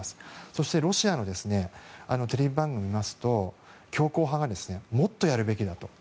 そしてロシアのテレビ番組を見ますと強硬派がもっとやるべきだと。